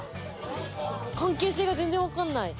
関係性が全然わかんない。